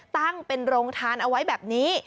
ตั้งเป็นโรงทานเอาไว้แบบนี้